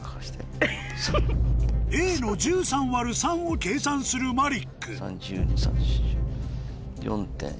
Ａの１３÷３を計算するマリック４．１。